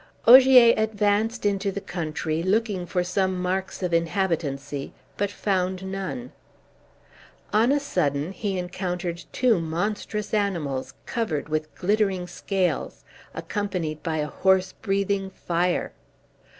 Ogier advanced into the country, looking for some marks of inhabitancy, but found none. On a sudden he encountered two monstrous animals, covered with glittering scales, accompanied by a horse breathing fire.